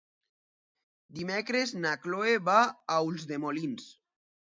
Dimecres na Cloè va a Ulldemolins.